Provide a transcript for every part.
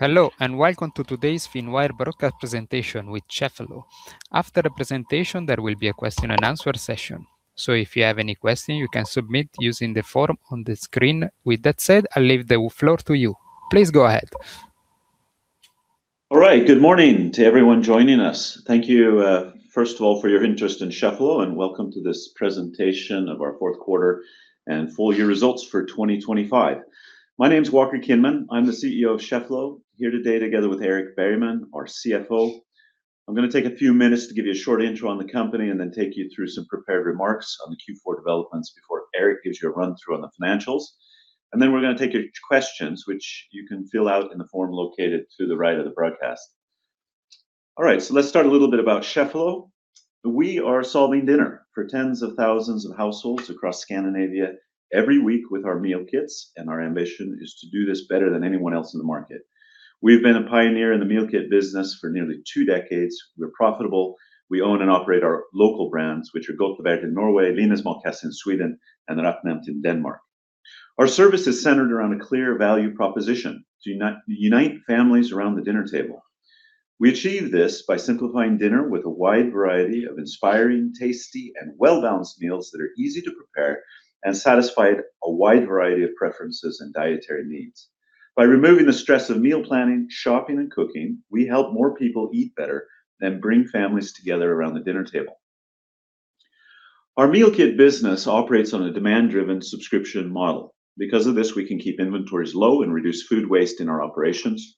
Hello, and welcome to today's Finwire Broadcast presentation with Cheffelo. After the presentation, there will be a question and answer session, so if you have any questions, you can submit using the form on the screen. With that said, I leave the floor to you. Please go ahead. All right. Good morning to everyone joining us. Thank you, first of all, for your interest in Cheffelo, and welcome to this presentation of our Q4 and full year results for 2025. My name is Walker Kinman. I'm the CEO of Cheffelo, here today together with Erik Bergman, our CFO. I'm going to take a few minutes to give you a short intro on the company and then take you through some prepared remarks on the Q4 developments before Erik gives you a run-through on the financials. And then we're going to take your questions, which you can fill out in the form located to the right of the broadcast. All right, so let's start a little bit about Cheffelo. We are solving dinner for tens of thousands of households across Scandinavia every week with our meal kits, and our ambition is to do this better than anyone else in the market. We've been a pioneer in the meal kit business for nearly two decades. We're profitable. We own and operate our local brands, which are Godtlevert in Norway, Linas Matkasse in Sweden, and RetNemt in Denmark. Our service is centered around a clear value proposition: to unite families around the dinner table. We achieve this by simplifying dinner with a wide variety of inspiring, tasty, and well-balanced meals that are easy to prepare and satisfy a wide variety of preferences and dietary needs. By removing the stress of meal planning, shopping, and cooking, we help more people eat better and bring families together around the dinner table. Our meal kit business operates on a demand-driven subscription model. Because of this, we can keep inventories low and reduce food waste in our operations.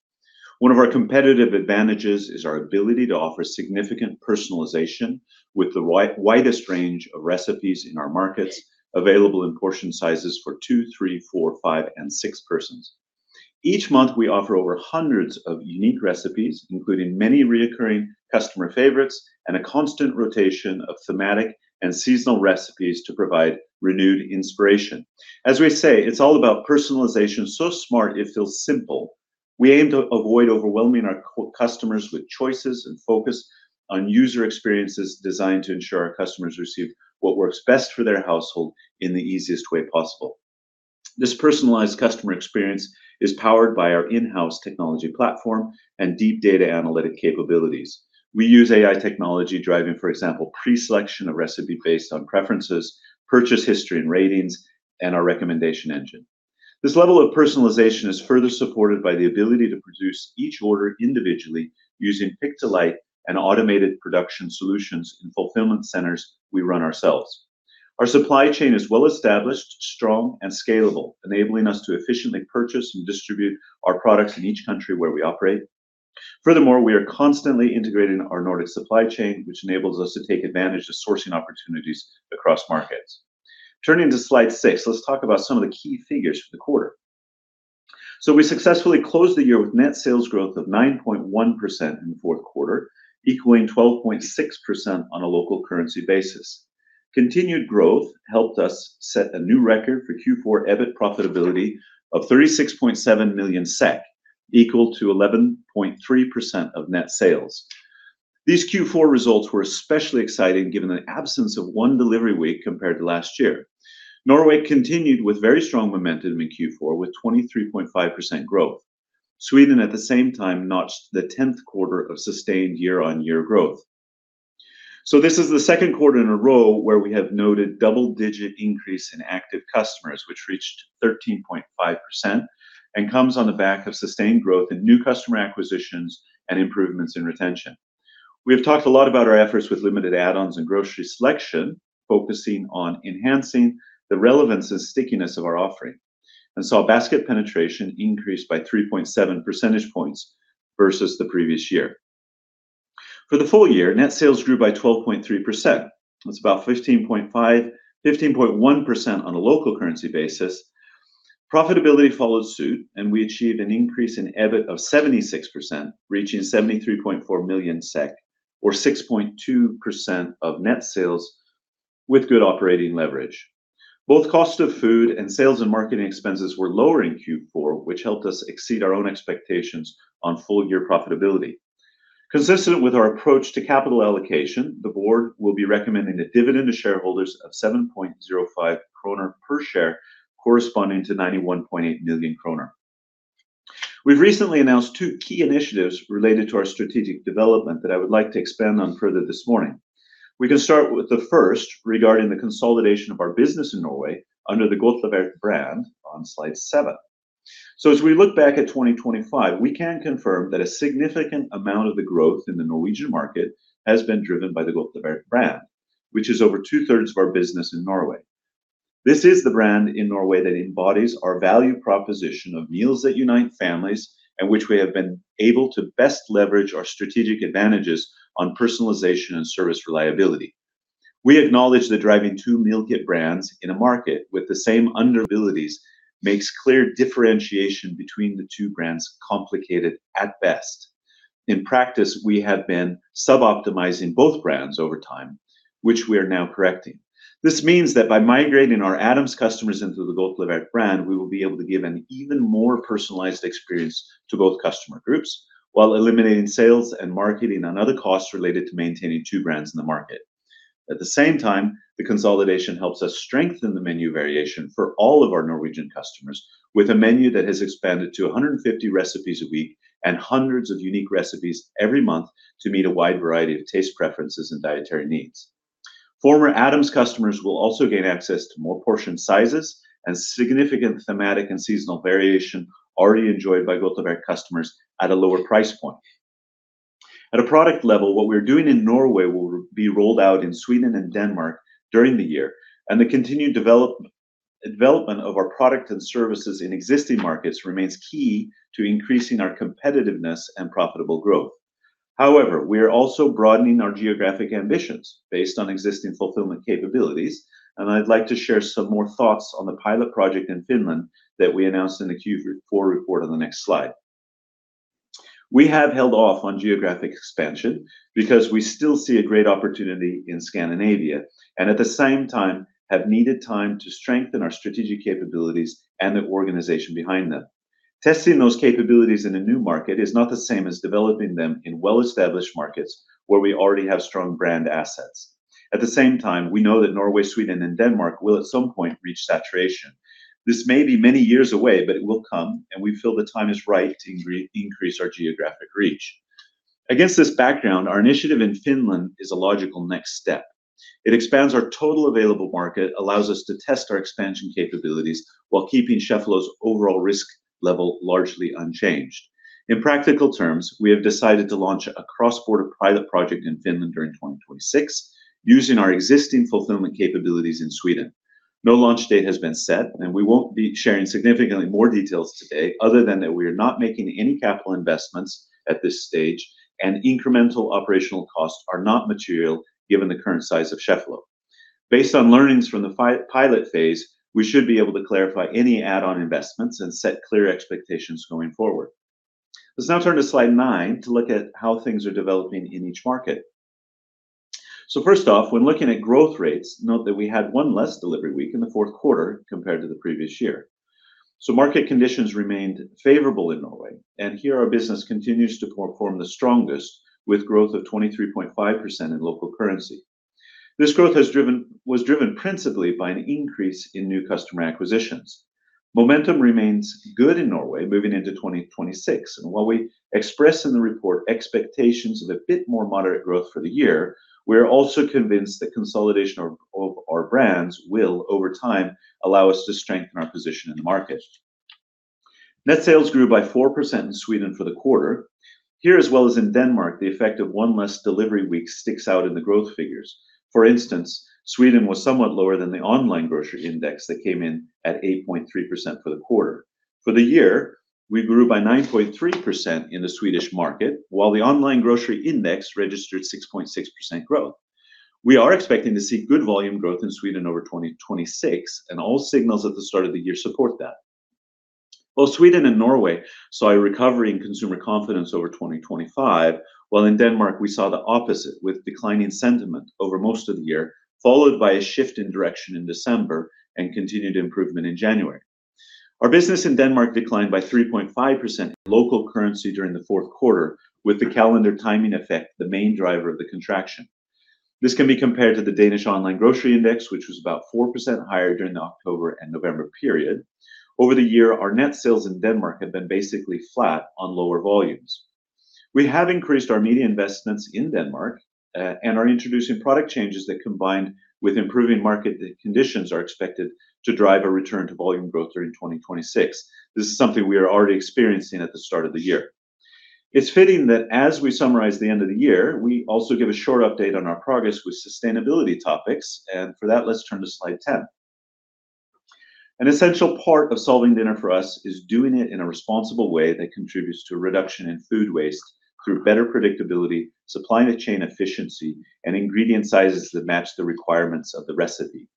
One of our competitive advantages is our ability to offer significant personalization with the widest range of recipes in our markets, available in portion sizes for two, three, four, five, and six persons. Each month, we offer over hundreds of unique recipes, including many recurring customer favorites and a constant rotation of thematic and seasonal recipes to provide renewed inspiration. As we say, it's all about personalization so smart, it feels simple. We aim to avoid overwhelming our customers with choices and focus on user experiences designed to ensure our customers receive what works best for their household in the easiest way possible. This personalized customer experience is powered by our in-house technology platform and deep data analytic capabilities. We use AI technology, driving, for example, pre-selection of recipe based on preferences, purchase history and ratings, and our recommendation engine. This level of personalization is further supported by the ability to produce each order individually using pick-to-light and automated production solutions in fulfillment centers we run ourselves. Our supply chain is well established, strong, and scalable, enabling us to efficiently purchase and distribute our products in each country where we operate. Furthermore, we are constantly integrating our Nordic supply chain, which enables us to take advantage of sourcing opportunities across markets. Turning to Slide 6, let's talk about some of the key figures for the quarter. So we successfully closed the year with net sales growth of 9.1% in the Q4, equaling 12.6% on a local currency basis. Continued growth helped us set a new record for Q4 EBIT profitability of 36.7 million SEK, equal to 11.3% of net sales. These Q4 results were especially exciting given the absence of one delivery week compared to last year. Norway continued with very strong momentum in Q4, with 23.5% growth. Sweden, at the same time, notched the 10th quarter of sustained year-on-year growth. So this is the Q2 in a row where we have noted double-digit increase in active customers, which reached 13.5% and comes on the back of sustained growth in new customer acquisitions and improvements in retention. We have talked a lot about our efforts with limited add-ons and grocery selection, focusing on enhancing the relevance and stickiness of our offering, and saw basket penetration increase by 3.7 percentage points versus the previous year. For the full year, net sales grew by 12.3%. That's about 15.1% on a local currency basis. Profitability followed suit, and we achieved an increase in EBIT of 76%, reaching 73.4 million SEK or 6.2% of net sales with good operating leverage. Both cost of food and sales and marketing expenses were lower in Q4, which helped us exceed our own expectations on full-year profitability. Consistent with our approach to capital allocation, the board will be recommending a dividend to shareholders of 7.05 kronor per share, corresponding to 91.8 million kronor. We've recently announced two key initiatives related to our strategic development that I would like to expand on further this morning. We can start with the first, regarding the consolidation of our business in Norway under the Godtlevert brand on Slide 7. As we look back at 2025, we can confirm that a significant amount of the growth in the Norwegian market has been driven by the Godtlevert brand, which is over two-thirds of our business in Norway. This is the brand in Norway that embodies our value proposition of meals that unite families and which we have been able to best leverage our strategic advantages on personalization and service reliability. We acknowledge that driving two meal kit brands in a market with the same underlying abilities makes clear differentiation between the two brands complicated at best. In practice, we have been suboptimizing both brands over time, which we are now correcting. This means that by migrating our Adams customers into the Godtlevert brand, we will be able to give an even more personalized experience to both customer groups while eliminating sales and marketing and other costs related to maintaining two brands in the market. At the same time, the consolidation helps us strengthen the menu variation for all of our Norwegian customers, with a menu that has expanded to 150 recipes a week and hundreds of unique recipes every month to meet a wide variety of taste preferences and dietary needs. Former Adams customers will also gain access to more portion sizes and significant thematic and seasonal variation already enjoyed by both of our customers at a lower price point. At a product level, what we're doing in Norway will be rolled out in Sweden and Denmark during the year, and the continued development of our product and services in existing markets remains key to increasing our competitiveness and profitable growth. However, we are also broadening our geographic ambitions based on existing fulfillment capabilities, and I'd like to share some more thoughts on the pilot project in Finland that we announced in the Q4 report on the next slide. We have held off on geographic expansion because we still see a great opportunity in Scandinavia, and at the same time, have needed time to strengthen our strategic capabilities and the organization behind them. Testing those capabilities in a new market is not the same as developing them in well-established markets where we already have strong brand assets. At the same time, we know that Norway, Sweden and Denmark will, at some point, reach saturation. This may be many years away, but it will come, and we feel the time is right to increase, increase our geographic reach. Against this background, our initiative in Finland is a logical next step. It expands our total available market, allows us to test our expansion capabilities while keeping Cheffelo's overall risk level largely unchanged. In practical terms, we have decided to launch a cross-border pilot project in Finland during 2026, using our existing fulfillment capabilities in Sweden. No launch date has been set, and we won't be sharing significantly more details today, other than that we are not making any capital investments at this stage, and incremental operational costs are not material given the current size of Cheffelo. Based on learnings from the pilot phase, we should be able to clarify any add-on investments and set clear expectations going forward. Let's now turn to Slide 9 to look at how things are developing in each market. So first off, when looking at growth rates, note that we had one less delivery week in the Q4 compared to the previous year. So market conditions remained favorable in Norway, and here our business continues to perform the strongest, with growth of 23.5% in local currency. This growth has driven, was driven principally by an increase in new customer acquisitions. Momentum remains good in Norway moving into 2026, and while we express in the report expectations of a bit more moderate growth for the year, we are also convinced that consolidation of our brands will, over time, allow us to strengthen our position in the market. Net sales grew by 4% in Sweden for the quarter. Here, as well as in Denmark, the effect of one less delivery week sticks out in the growth figures. For instance, Sweden was somewhat lower than the online grocery index that came in at 8.3% for the quarter. For the year, we grew by 9.3% in the Swedish market, while the online grocery index registered 6.6% growth. We are expecting to see good volume growth in Sweden over 2026, and all signals at the start of the year support that. Both Sweden and Norway saw a recovery in consumer confidence over 2025, while in Denmark we saw the opposite, with declining sentiment over most of the year, followed by a shift in direction in December and continued improvement in January. Our business in Denmark declined by 3.5% local currency during the Q4, with the calendar timing effect the main driver of the contraction. This can be compared to the Danish online grocery index, which was about 4% higher during the October and November period. Over the year, our net sales in Denmark have been basically flat on lower volumes. We have increased our media investments in Denmark, and are introducing product changes that, combined with improving market conditions, are expected to drive a return to volume growth during 2026. This is something we are already experiencing at the start of the year. It's fitting that as we summarize the end of the year, we also give a short update on our progress with sustainability topics, and for that, let's turn to Slide 10. An essential part of solving dinner for us is doing it in a responsible way that contributes to a reduction in food waste through better predictability, supply and chain efficiency, and ingredient sizes that match the requirements of the recipe.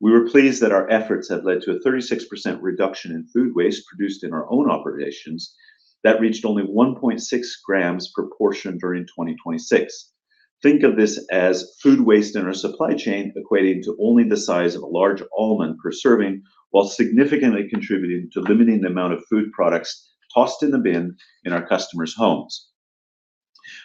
We were pleased that our efforts have led to a 36% reduction in food waste produced in our own operations. That reached only 1.6 grams per portion during 2026. Think of this as food waste in our supply chain, equating to only the size of a large almond per serving, while significantly contributing to limiting the amount of food products tossed in the bin in our customers' homes.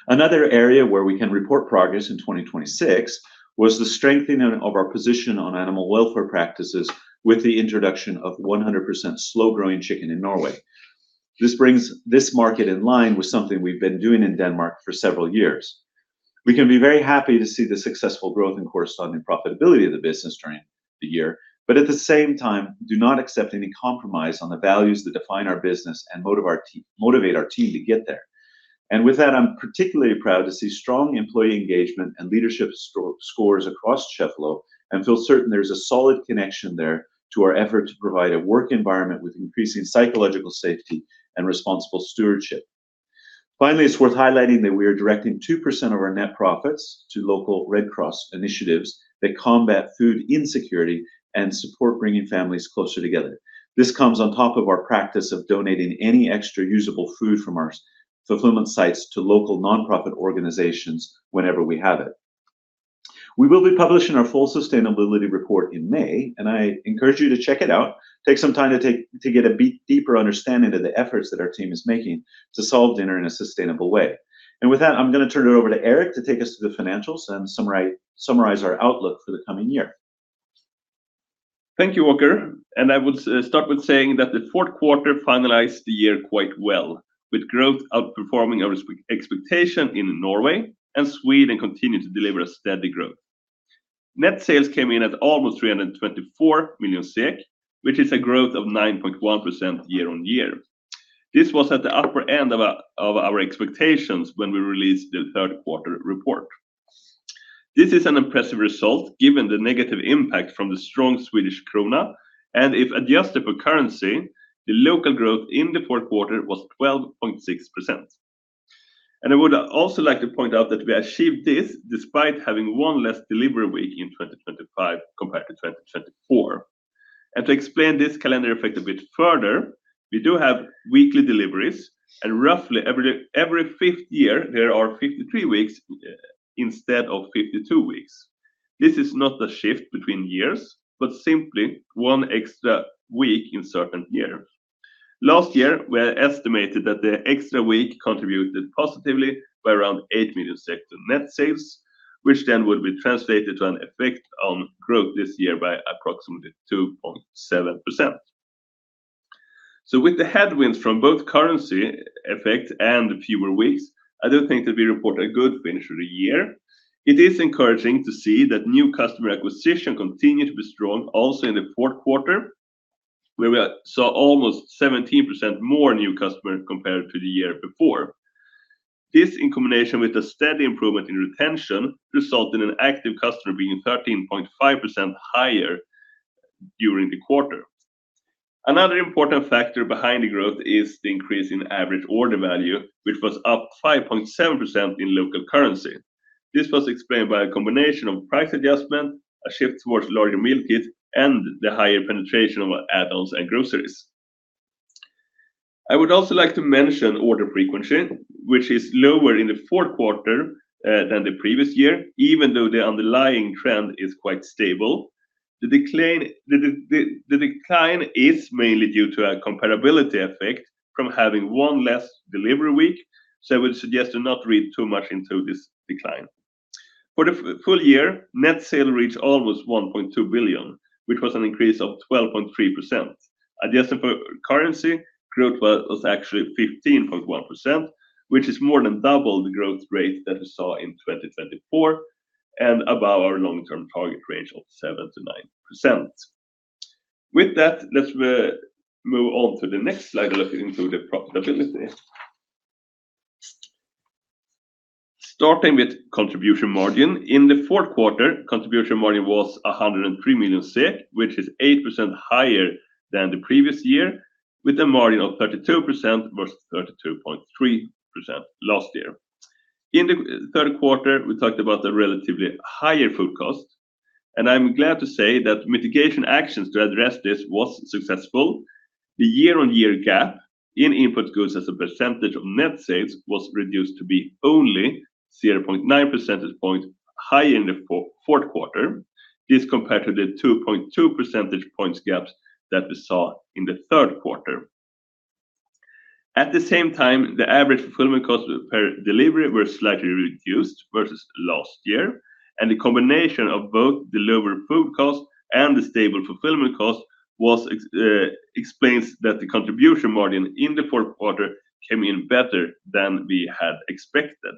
Another area where we can report progress in 2026 was the strengthening of our position on animal welfare practices with the introduction of 100% slow-growing chicken in Norway. This brings this market in line with something we've been doing in Denmark for several years. We can be very happy to see the successful growth and corresponding profitability of the business during the year, but at the same time, do not accept any compromise on the values that define our business and motivate our team to get there. And with that, I'm particularly proud to see strong employee engagement and leadership scores across Cheffelo, and feel certain there's a solid connection there to our effort to provide a work environment with increasing psychological safety and responsible stewardship. Finally, it's worth highlighting that we are directing 2% of our net profits to local Red Cross initiatives that combat food insecurity and support bringing families closer together. This comes on top of our practice of donating any extra usable food from our fulfillment sites to local nonprofit organizations whenever we have it. We will be publishing our full sustainability report in May, and I encourage you to check it out. Take some time to get a deeper understanding of the efforts that our team is making to solve dinner in a sustainable way. And with that, I'm going to turn it over to Erik to take us through the financials and summarize our outlook for the coming year. Thank you, Walker, and I will start with saying that the Q4 finalized the year quite well, with growth outperforming our expectation in Norway, and Sweden continued to deliver a steady growth. Net sales came in at almost 324 million SEK, which is a growth of 9.1% year-on-year. This was at the upper end of our expectations when we released the Q3 report. This is an impressive result, given the negative impact from the strong Swedish krona, and if adjusted for currency, the local growth in the Q4 was 12.6%. And I would also like to point out that we achieved this despite having one less delivery week in 2025 compared to 2024. To explain this calendar effect a bit further, we do have weekly deliveries and roughly every fifth year, there are 53 weeks instead of 52 weeks. This is not a shift between years, but simply one extra week in certain years. Last year, we estimated that the extra week contributed positively by around 8 million to net sales, which then would be translated to an effect on growth this year by approximately 2.7%. With the headwinds from both currency effect and fewer weeks, I do think that we report a good finish of the year. It is encouraging to see that new customer acquisition continued to be strong also in the Q4, where we saw almost 17% more new customers compared to the year before. This, in combination with a steady improvement in retention, resulted in active customers being 13.5% higher during the quarter. Another important factor behind the growth is the increase in average order value, which was up 5.7% in local currency. This was explained by a combination of price adjustment, a shift towards larger meal kits, and the higher penetration of add-ons and groceries. I would also like to mention order frequency, which is lower in the Q4 than the previous year, even though the underlying trend is quite stable. The decline is mainly due to a comparability effect from having one less delivery week, so I would suggest to not read too much into this decline. For the full year, net sales reached almost 1.2 billion, which was an increase of 12.3%. Adjusted for currency, growth was actually 15.1%, which is more than double the growth rate that we saw in 2024 and above our long-term target range of 7%-9%. With that, let's move on to the next slide, looking into the profitability. Starting with contribution margin, in the Q4, contribution margin was 103 million, which is 8% higher than the previous year, with a margin of 32% versus 32.3% last year. In the third quarter, we talked about the relatively higher food cost, and I'm glad to say that mitigation actions to address this was successful. The year-on-year gap in input goods as a percentage of net sales was reduced to be only 0.9 percentage point higher in the Q4. This compared to the 2.2 percentage points gaps that we saw in the Q3. At the same time, the average fulfillment cost per delivery were slightly reduced versus last year, and the combination of both the lower food cost and the stable fulfillment cost was explains that the contribution margin in the Q4 came in better than we had expected.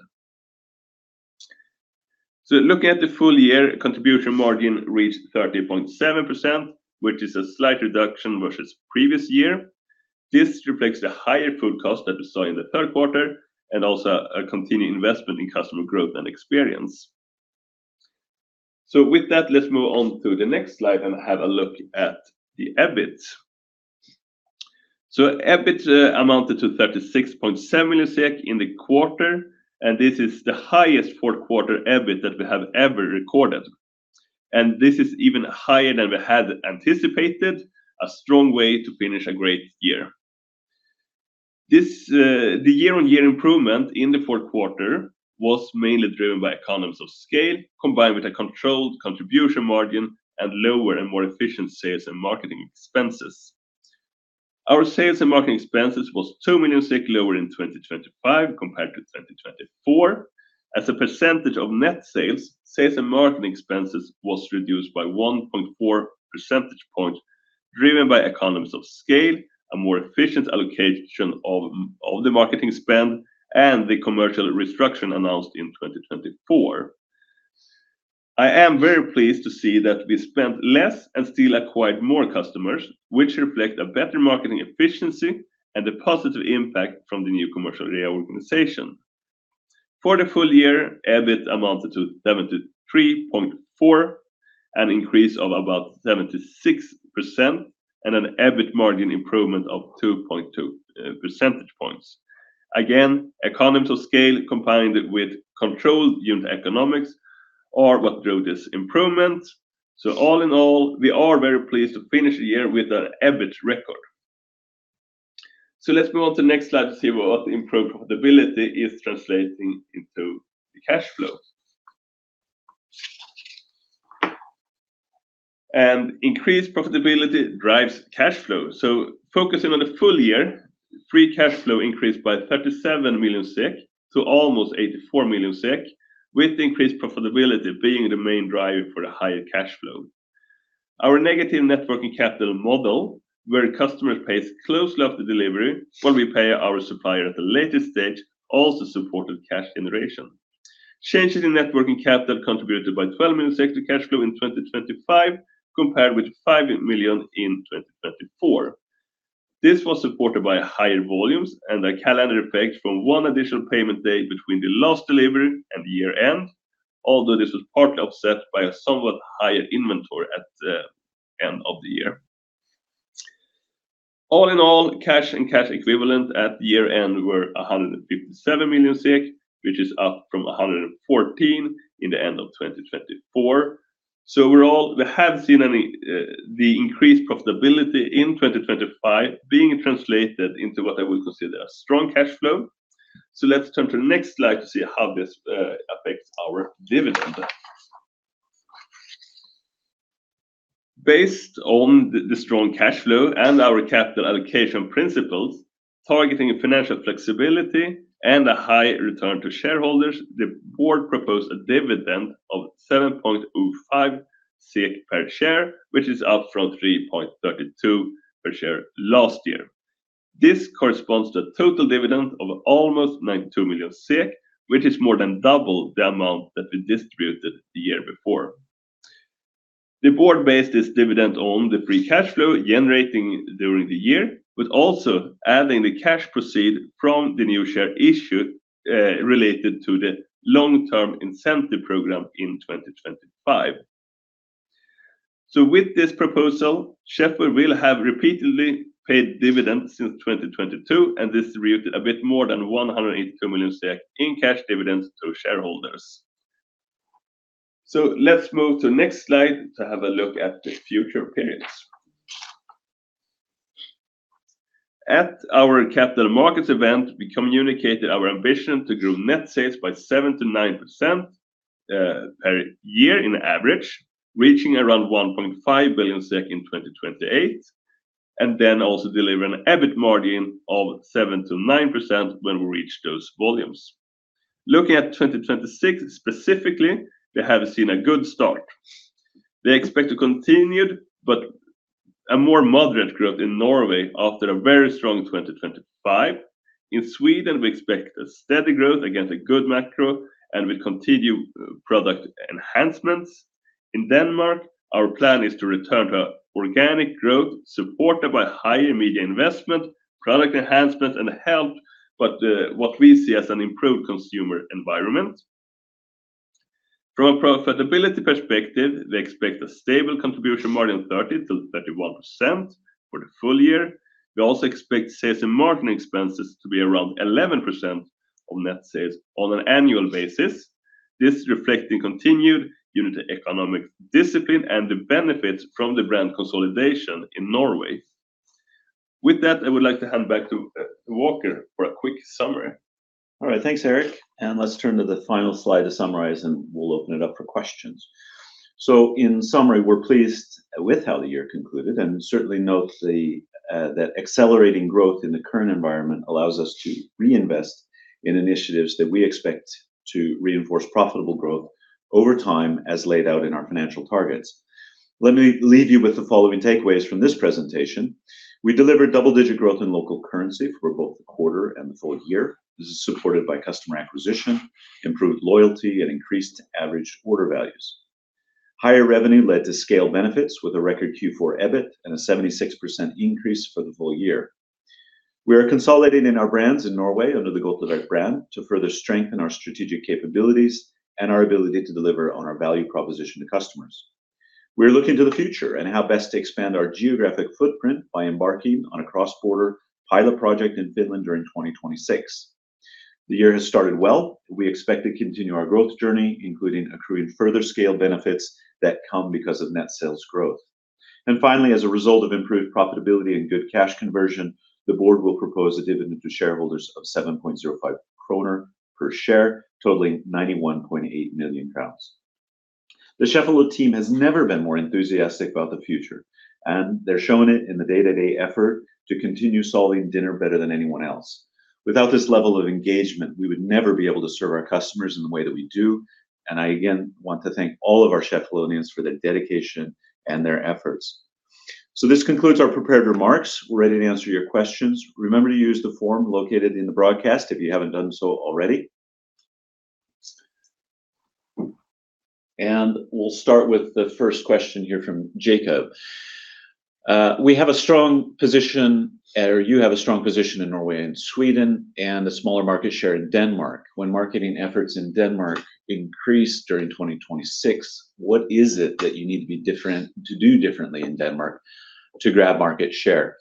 So looking at the full year, contribution margin reached 13.7%, which is a slight reduction versus previous year. This reflects the higher food cost that we saw in the Q3 and also a continued investment in customer growth and experience. So with that, let's move on to the next slide and have a look at the EBIT. So EBIT amounted to 36.7 in the quarter, and this is the highest Q4 EBIT that we have ever recorded, and this is even higher than we had anticipated, a strong way to finish a great year. This, the year-on-year improvement in the Q4 was mainly driven by economies of scale, combined with a controlled contribution margin and lower and more efficient sales and marketing expenses. Our sales and marketing expenses was 2 million lower in 2025 compared to 2024. As a percentage of net sales, sales and marketing expenses was reduced by 1.4 percentage point, driven by economies of scale, a more efficient allocation of the marketing spend, and the commercial restructure announced in 2024. I am very pleased to see that we spent less and still acquired more customers, which reflect a better marketing efficiency and a positive impact from the new commercial reorganisation. For the full year, EBIT amounted to 73.4 million, an increase of about 76% and an EBIT margin improvement of 2.2 percentage points. Again, economies of scale, combined with controlled unit economics, are what drove this improvement. All in all, we are very pleased to finish the year with an EBIT record. Let's move on to the next slide to see what improved profitability is translating into the cash flow. Increased profitability drives cash flow, so focusing on the full year—free cash flow increased by 37 million SEK to almost 84 million SEK, with increased profitability being the main driver for the higher cash flow. Our negative working capital model, where customers pay closely after delivery, while we pay our suppliers at the latest stage, also supported cash generation. Changes in working capital contributed 12 million to cash flow in 2025, compared with 5 million in 2024. This was supported by higher volumes and a calendar effect from one additional payment date between the last delivery and the year-end, although this was partly offset by a somewhat higher inventory at the end of the year. All in all, cash and cash equivalents at year-end were 157 million SEK, which is up from 114 in the end of 2024. So overall, we have seen the increased profitability in 2025 being translated into what I would consider a strong cash flow. So let's turn to the next slide to see how this affects our dividend. Based on the strong cash flow and our capital allocation principles, targeting financial flexibility and a high return to shareholders, the board proposed a dividend of 7.05 per share, which is up from 3.32 per share last year. This corresponds to a total dividend of almost 92 million SEK, which is more than double the amount that we distributed the year before. The board based this dividend on the free cash flow generating during the year, but also adding the cash proceeds from the new share issue related to the long-term incentive program in 2025. So with this proposal, Cheffelo will have repeatedly paid dividends since 2022, and this reached a bit more than 182 million SEK in cash dividends to shareholders. So let's move to the next slide to have a look at the future periods. At our capital markets event, we communicated our ambition to grow net sales by 7%-9% per year in average, reaching around 1.5 billion SEK in 2028, and then also deliver an EBIT margin of 7%-9% when we reach those volumes. Looking at 2026 specifically, we have seen a good start. We expect to continue, but a more moderate growth in Norway after a very strong 2025. In Sweden, we expect a steady growth against a good macro and with continued product enhancements. In Denmark, our plan is to return to organic growth, supported by higher media investment, product enhancement, and help, but what we see as an improved consumer environment. From a profitability perspective, we expect a stable contribution margin, 30%-31% for the full year. We also expect sales and marketing expenses to be around 11% of net sales on an annual basis. This reflecting continued unit economic discipline and the benefits from the brand consolidation in Norway. With that, I would like to hand back to Walker for a quick summary. All right, thanks, Erik, and let's turn to the final slide to summarize, and we'll open it up for questions. So in summary, we're pleased with how the year concluded and certainly note the that accelerating growth in the current environment allows us to reinvest in initiatives that we expect to reinforce profitable growth over time, as laid out in our financial targets. Let me leave you with the following takeaways from this presentation. We delivered double-digit growth in local currency for both the quarter and the full year. This is supported by customer acquisition, improved loyalty, and increased average order values. Higher revenue led to scale benefits with a record Q4 EBIT and a 76% increase for the full year. We are consolidating our brands in Norway under the Godtlevert brand to further strengthen our strategic capabilities and our ability to deliver on our value proposition to customers. We are looking to the future and how best to expand our geographic footprint by embarking on a cross-border pilot project in Finland during 2026. The year has started well. We expect to continue our growth journey, including accruing further scale benefits that come because of net sales growth. And finally, as a result of improved profitability and good cash conversion, the board will propose a dividend to shareholders of 7.05 kronor per share, totaling SEK 91.8 million. The Cheffelo team has never been more enthusiastic about the future, and they're showing it in the day-to-day effort to continue solving dinner better than anyone else. Without this level of engagement, we would never be able to serve our customers in the way that we do, and I again want to thank all of our Cheffeloans for their dedication and their efforts. So this concludes our prepared remarks. We're ready to answer your questions. Remember to use the form located in the broadcast, if you haven't done so already. We'll start with the first question here from Jacob. We have a strong position, or you have a strong position in Norway and Sweden, and a smaller market share in Denmark. When marketing efforts in Denmark increase during 2026, what is it that you need to be different, to do differently in Denmark to grab market share?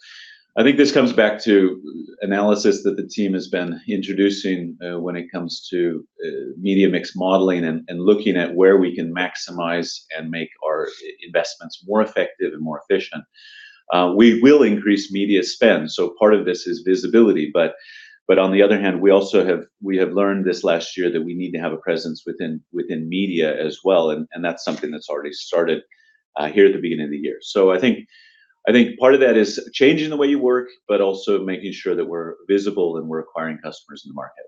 I think this comes back to analysis that the team has been introducing, when it comes to, media mix modeling and looking at where we can maximize and make our investments more effective and more efficient. We will increase media spend, so part of this is visibility, but... But on the other hand, we also have learned this last year that we need to have a presence within media as well, and that's something that's already started, here at the beginning of the year. So I think part of that is changing the way you work, but also making sure that we're visible and we're acquiring customers in the market.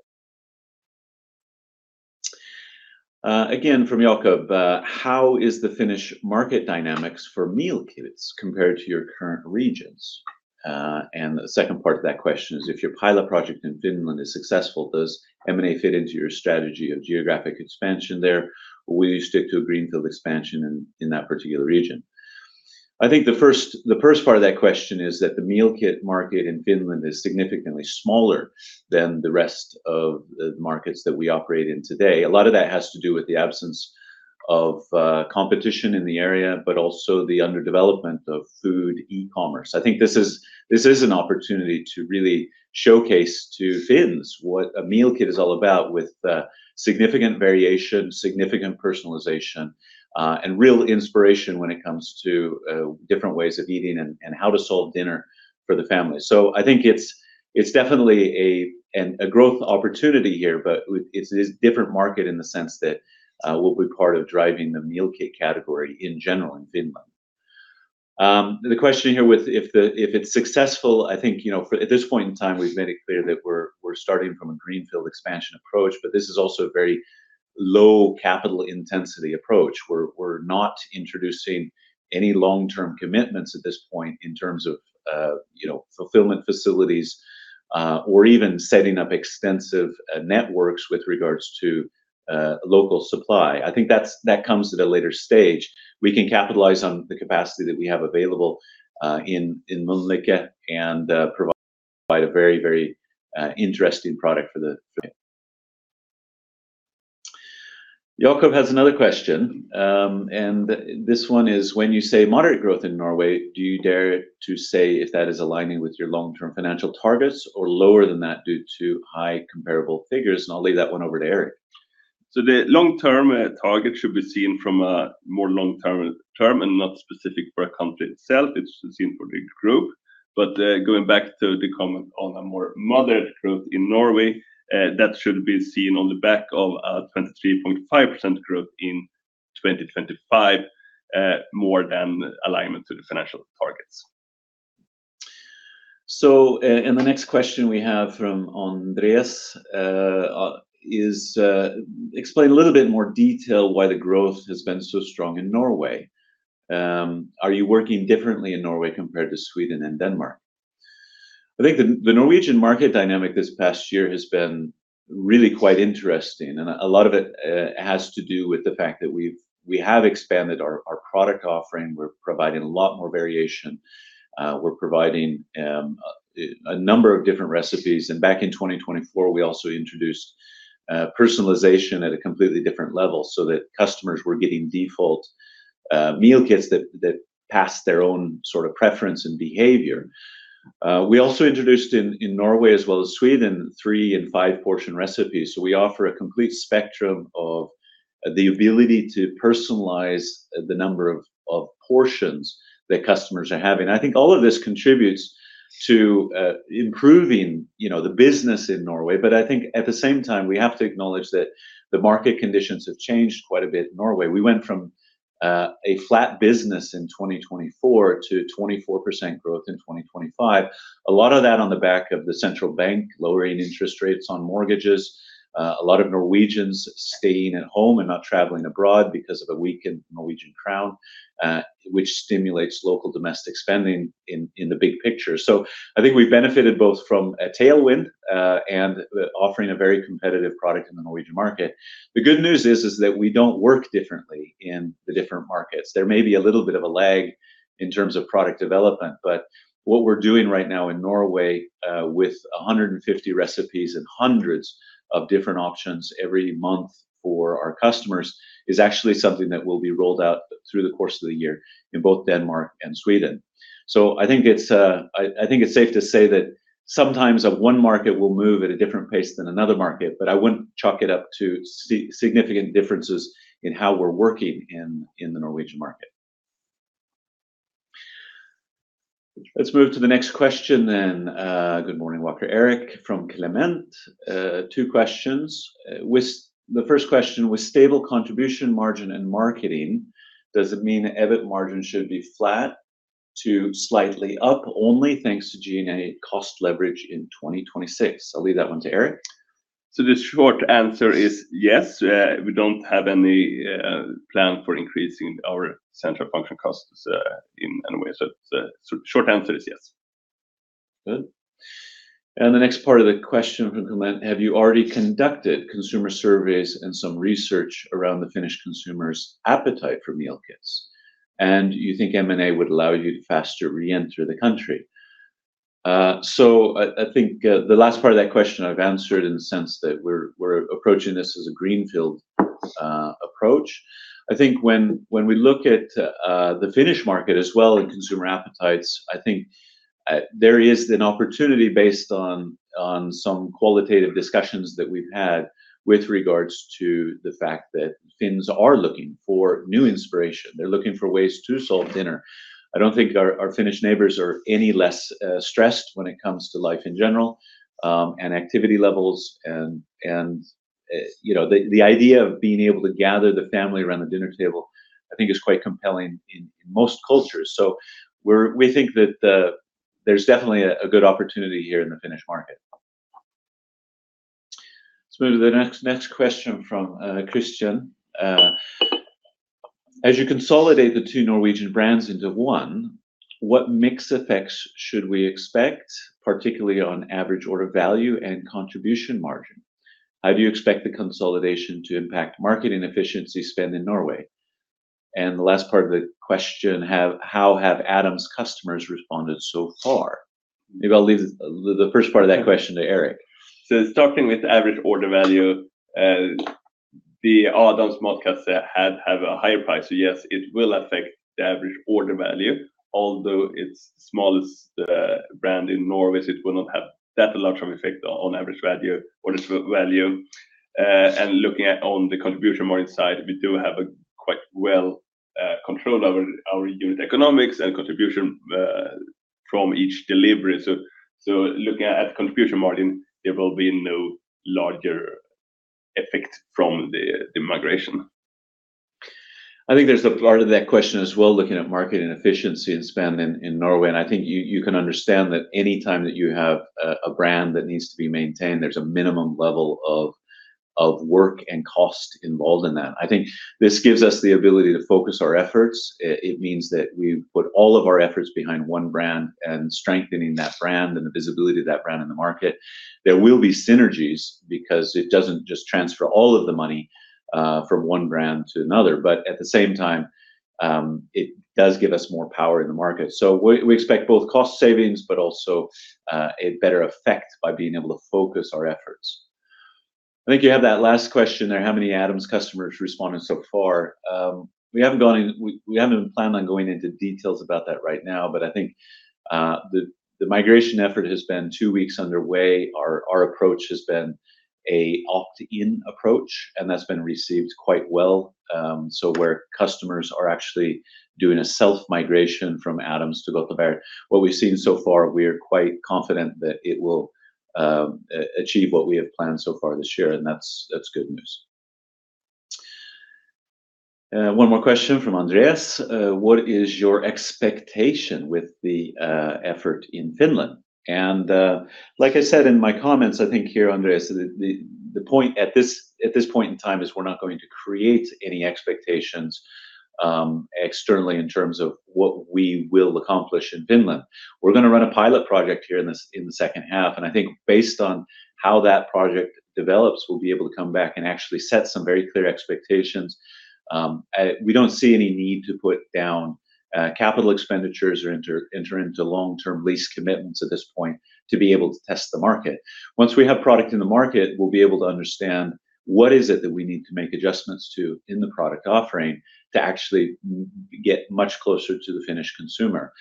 Again, from Jacob, "How is the Finnish market dynamics for meal kits compared to your current regions?" And the second part of that question is: "If your pilot project in Finland is successful, does M&A fit into your strategy of geographic expansion there, or will you stick to a greenfield expansion in that particular region?" I think the first, the first part of that question is that the meal kit market in Finland is significantly smaller than the rest of the markets that we operate in today. A lot of that has to do with the absence of competition in the area, but also the underdevelopment of food e-commerce. I think this is, this is an opportunity to really showcase to Finns what a meal kit is all about, with significant variation, significant personalization, and real inspiration when it comes to different ways of eating and, and how to solve dinner for the family. So I think it's, it's definitely a growth opportunity here, but it's a different market in the sense that we'll be part of driving the meal kit category in general in Finland. The question here with if it's successful, I think, you know, for, at this point in time, we've made it clear that we're, we're starting from a greenfield expansion approach, but this is also a very low capital intensity approach. We're not introducing any long-term commitments at this point in terms of, you know, fulfillment facilities, or even setting up extensive, networks with regards to, local supply. I think that comes at a later stage. We can capitalize on the capacity that we have available, in Mölnlycke and, provide a very, very, interesting product for the Finns. Jacob has another question, and this one is: "When you say moderate growth in Norway, do you dare to say if that is aligning with your long-term financial targets or lower than that due to high comparable figures?" And I'll leave that one over to Erik. So the long-term target should be seen from a more long-term term and not specific for a country itself. It's seen for the group. But, going back to the comment on a more moderate growth in Norway, that should be seen on the back of a 23.5% growth in 2025, more than alignment to the financial targets. The next question we have from Andreas is: "Explain a little bit more detail why the growth has been so strong in Norway. Are you working differently in Norway compared to Sweden and Denmark?" I think the Norwegian market dynamic this past year has been really quite interesting, and a lot of it has to do with the fact that we have expanded our product offering. We're providing a lot more variation. We're providing a number of different recipes, and back in 2024, we also introduced personalization at a completely different level so that customers were getting default meal kits that passed their own sort of preference and behavior. We also introduced in Norway as well as Sweden, three- and five-portion recipes, so we offer a complete spectrum of the ability to personalize the number of portions that customers are having. I think all of this contributes to improving, you know, the business in Norway, but I think at the same time, we have to acknowledge that the market conditions have changed quite a bit in Norway. We went from a flat business in 2024 to 24% growth in 2025. A lot of that on the back of the central bank lowering interest rates on mortgages, a lot of Norwegians staying at home and not traveling abroad because of a weakened Norwegian crown, which stimulates local domestic spending in the big picture. So I think we've benefited both from a tailwind, and the offering a very competitive product in the Norwegian market. The good news is that we don't work differently in the different markets. There may be a little bit of a lag in terms of product development, but what we're doing right now in Norway, with 150 recipes and hundreds of different options every month for our customers, is actually something that will be rolled out through the course of the year in both Denmark and Sweden. So I think it's, I think it's safe to say that sometimes one market will move at a different pace than another market, but I wouldn't chalk it up to significant differences in how we're working in the Norwegian market. Let's move to the next question then. Good morning, Walker. Erik, from Clement, two questions. The first question: "With stable contribution margin and marketing, does it mean EBIT margin should be flat to slightly up, only thanks to G&A cost leverage in 2026?" I'll leave that one to Erik. So the short answer is yes. We don't have any plan for increasing our central function costs in any way. So the short answer is yes. Good. And the next part of the question from Clement: "Have you already conducted consumer surveys and some research around the Finnish consumers' appetite for meal kits, and you think M&A would allow you to faster re-enter the country?" So I think the last part of that question I've answered in the sense that we're approaching this as a greenfield approach. I think when we look at the Finnish market as well and consumer appetites, I think there is an opportunity based on some qualitative discussions that we've had with regards to the fact that Finns are looking for new inspiration. They're looking for ways to solve dinner. I don't think our Finnish neighbors are any less stressed when it comes to life in general, and activity levels and... You know, the idea of being able to gather the family around the dinner table, I think is quite compelling in most cultures. So we think that there's definitely a good opportunity here in the Finnish market. Let's move to the next question from Christian. "As you consolidate the two Norwegian brands into one, what mix effects should we expect, particularly on average order value and contribution margin? How do you expect the consolidation to impact marketing efficiency spend in Norway?" And the last part of the question: "How have Adams's customers responded so far?" Maybe I'll leave the first part of that question to Erik. So starting with average order value, the Adams Matkasse have a higher price, so yes, it will affect the average order value. Although it's the smallest brand in Norway, so it will not have that large of effect on average order value. And looking at the contribution margin side, we do have a quite well control over our unit economics and contribution from each delivery. So looking at contribution margin, there will be no larger effect from the migration. I think there's a part of that question as well, looking at marketing efficiency and spend in Norway, and I think you can understand that any time that you have a brand that needs to be maintained, there's a minimum level of work and cost involved in that. I think this gives us the ability to focus our efforts. It means that we put all of our efforts behind one brand and strengthening that brand and the visibility of that brand in the market. There will be synergies, because it doesn't just transfer all of the money from one brand to another, but at the same time, it does give us more power in the market. So we expect both cost savings, but also a better effect by being able to focus our efforts. I think you have that last question there, "How many Adams customers responded so far?" We haven't planned on going into details about that right now, but I think the migration effort has been two weeks underway. Our approach has been an opt-in approach, and that's been received quite well. So where customers are actually doing a self-migration from Adams to Godtlevert. What we've seen so far, we are quite confident that it will achieve what we have planned so far this year, and that's good news. One more question from Andreas: "What is your expectation with the effort in Finland?" Like I said in my comments, I think here, Andreas, the point at this point in time is we're not going to create any expectations externally in terms of what we will accomplish in Finland. We're gonna run a pilot project here in the second half, and I think based on how that project develops, we'll be able to come back and actually set some very clear expectations. We don't see any need to put down capital expenditures or enter into long-term lease commitments at this point to be able to test the market. Once we have product in the market, we'll be able to understand what is it that we need to make adjustments to in the product offering to actually get much closer to the Finnish consumer.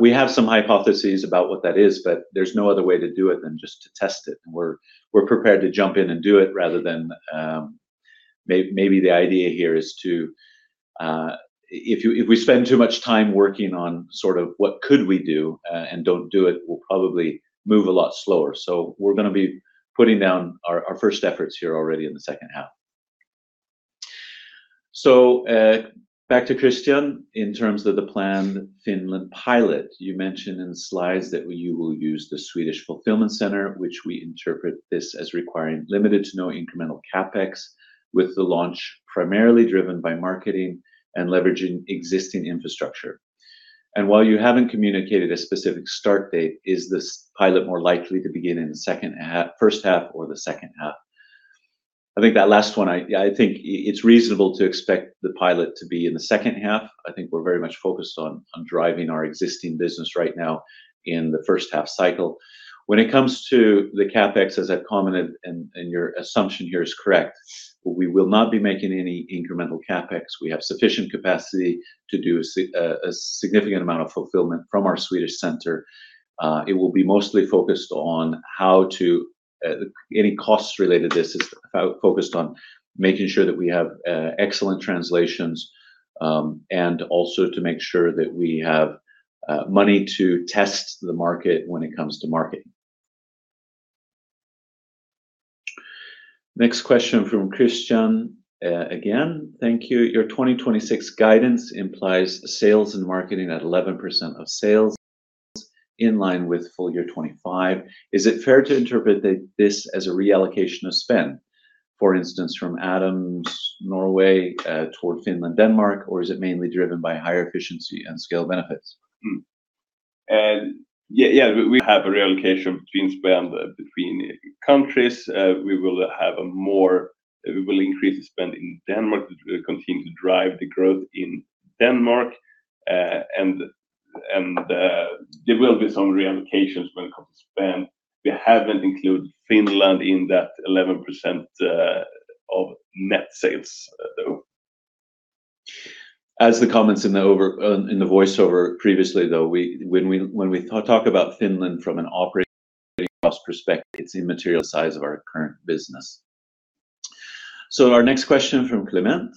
We have some hypotheses about what that is, but there's no other way to do it than just to test it, and we're prepared to jump in and do it, rather than maybe the idea here is to if you, if we spend too much time working on sort of what could we do and don't do it, we'll probably move a lot slower. So we're gonna be putting down our first efforts here already in the second half. So, back to Christian, "In terms of the planned Finland pilot, you mentioned in slides that you will use the Swedish fulfillment center, which we interpret this as requiring limited to no incremental CapEx, with the launch primarily driven by marketing and leveraging existing infrastructure. And while you haven't communicated a specific start date, is this pilot more likely to begin in the first half or the second half?" I think that last one, I think it's reasonable to expect the pilot to be in the second half. I think we're very much focused on driving our existing business right now in the first half cycle. When it comes to the CapEx, as I've commented, and your assumption here is correct, we will not be making any incremental CapEx. We have sufficient capacity to do a significant amount of fulfillment from our Swedish center. It will be mostly focused on how to, any costs related to this is focused on making sure that we have excellent translations, and also to make sure that we have money to test the market when it comes to market. Next question from Christian, again. Thank you. "Your 2026 guidance implies sales and marketing at 11% of sales, in line with full year 2025. Is it fair to interpret this as a reallocation of spend, for instance, from Adams Norway, toward Finland, Denmark, or is it mainly driven by higher efficiency and scale benefits? Yeah, we have a reallocation between spend between countries. We will have a more... We will increase the spend in Denmark to continue to drive the growth in Denmark. And there will be some reallocations when it comes to spend. We haven't included Finland in that 11% of net sales though. As the comments in the overview, in the voiceover previously, though, when we talk about Finland from an operating cost perspective, it's immaterial size of our current business. So our next question from Clement: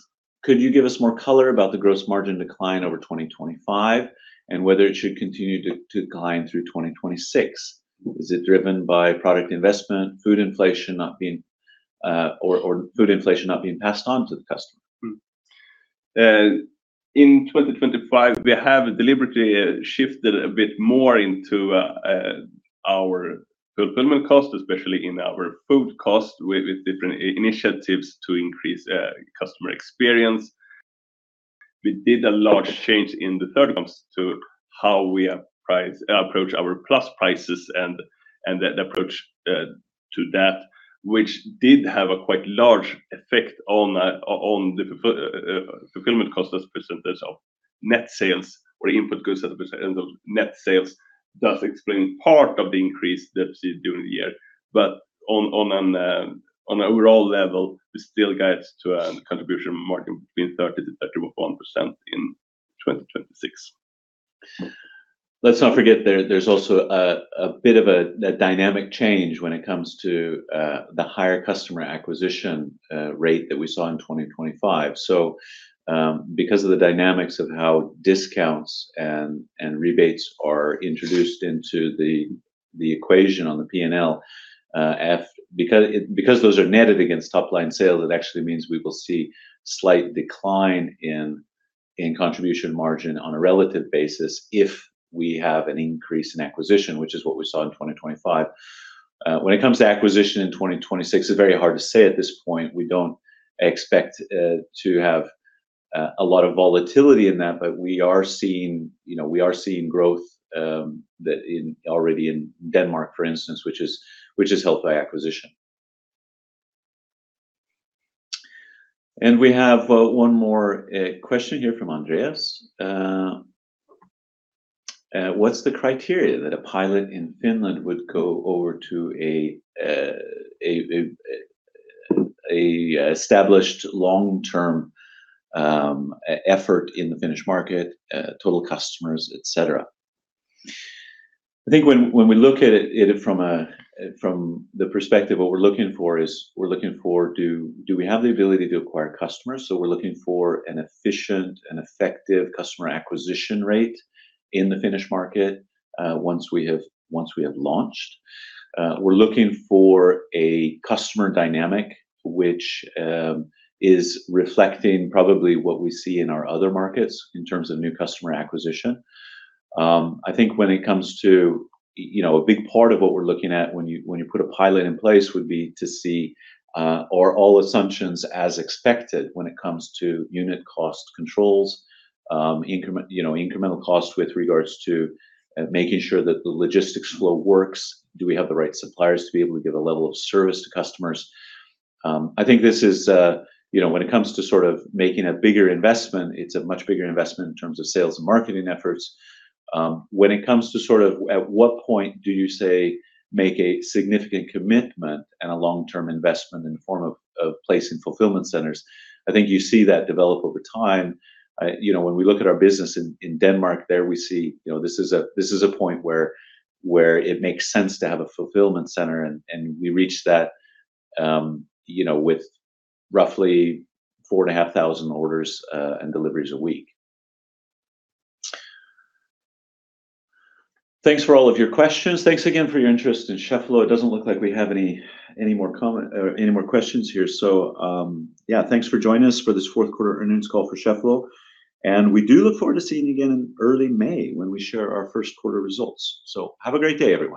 Could you give us more color about the gross margin decline over 2025, and whether it should continue to decline through 2026? Is it driven by product investment, food inflation not being passed on to the customer? In 2025, we have deliberately shifted a bit more into our fulfillment cost, especially in our food cost, with different initiatives to increase customer experience. We did a large change in the Q3 to how we approach our plus prices and the approach to that, which did have a quite large effect on the fulfillment cost as a percentage of net sales or input goods as a percent of net sales, does explain part of the increase that we see during the year. But on an overall level, we still guides to a contribution margin between 30%-31% in 2026. Let's not forget there, there's also a bit of a dynamic change when it comes to the higher customer acquisition rate that we saw in 2025. So, because of the dynamics of how discounts and rebates are introduced into the equation on the P&L, because those are netted against top-line sale, that actually means we will see slight decline in contribution margin on a relative basis if we have an increase in acquisition, which is what we saw in 2025. When it comes to acquisition in 2026, it's very hard to say at this point. We don't expect to have a lot of volatility in that, but we are seeing, you know, we are seeing growth that already in Denmark, for instance, which is helped by acquisition. We have one more question here from Andreas. What's the criteria that a pilot in Finland would go over to an established long-term effort in the Finnish market, total customers, et cetera? I think when we look at it from the perspective, what we're looking for is do we have the ability to acquire customers? So we're looking for an efficient and effective customer acquisition rate in the Finnish market, once we have launched. We're looking for a customer dynamic which is reflecting probably what we see in our other markets in terms of new customer acquisition. I think when it comes to, you know, a big part of what we're looking at when you, when you put a pilot in place would be to see, are all assumptions as expected when it comes to unit cost controls, you know, incremental cost with regards to, making sure that the logistics flow works. Do we have the right suppliers to be able to give a level of service to customers? I think this is, you know, when it comes to sort of making a bigger investment, it's a much bigger investment in terms of sales and marketing efforts. When it comes to sort of at what point do you say, make a significant commitment and a long-term investment in the form of, of placing fulfillment centers, I think you see that develop over time. You know, when we look at our business in Denmark, there we see, you know, this is a point where it makes sense to have a fulfillment center, and we reached that, you know, with roughly 4,500 orders and deliveries a week. Thanks for all of your questions. Thanks again for your interest in Cheffelo. It doesn't look like we have any more comment or any more questions here. So, yeah, thanks for joining us for this Q4 Earnings Call for Cheffelo, and we do look forward to seeing you again in early May when we share our Q1 results. So have a great day, everyone.